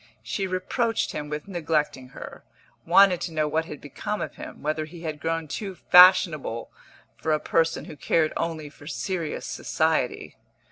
She reproached him with neglecting her, wanted to know what had become of him, whether he had grown too fashionable for a person who cared only for serious society.